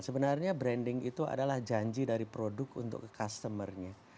sebenarnya branding itu adalah janji dari produk untuk ke customer nya